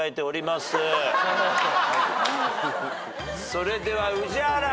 それでは宇治原。